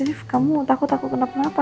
ya posesif kamu takut takut kenapa kenapa